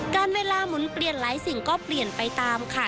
เวลาหมุนเปลี่ยนหลายสิ่งก็เปลี่ยนไปตามค่ะ